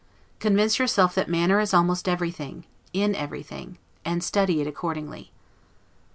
Convince yourself that manner is almost everything, in everything; and study it accordingly.